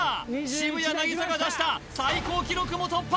渋谷凪咲が出した最高記録も突破！